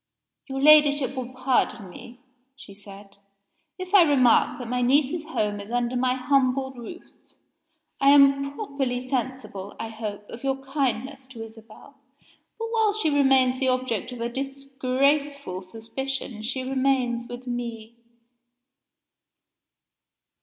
"Your Ladyship will pardon me," she said, "if I remark that my niece's home is under my humble roof. I am properly sensible, I hope, of your kindness to Isabel, but while she remains the object of a disgraceful suspicion she remains with me."